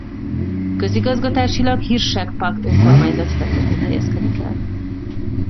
Közigazgatásilag Hirschegg-Pack önkormányzat területén helyezkedik el.